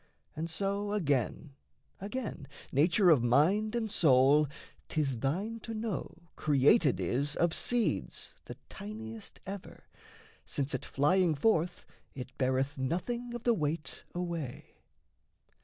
And so, Again, again, nature of mind and soul 'Tis thine to know created is of seeds The tiniest ever, since at flying forth It beareth nothing of the weight away.